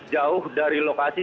jauh dari lokasi